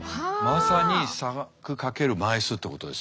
まさに差額×枚数ってことですね。